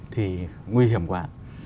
thì nguy hiểm quá